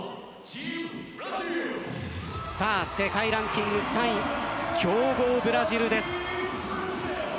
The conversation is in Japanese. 世界ランキング３位強豪ブラジルです。